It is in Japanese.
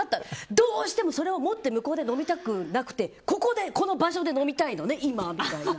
どうしてもそれを向こうで飲みたくなくて今ここでこの場所で飲みたいのねみたいな。